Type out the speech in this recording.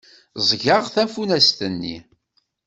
Ẓẓgeɣ tafunast-nni.